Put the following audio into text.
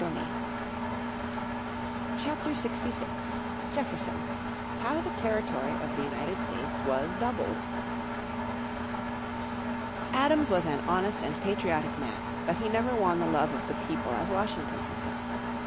__________ Chapter 66 Jefferson How the Territory of the United States was Doubled Adams was an honest and patriotic man, but he never won the love of the people as Washington had done.